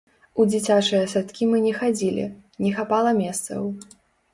У дзіцячыя садкі мы не хадзілі, не хапала месцаў.